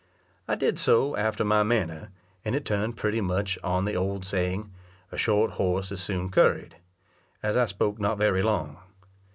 I did so after my manner, and it turned pretty much on the old saying, "A short horse is soon curried," as I spoke not very long.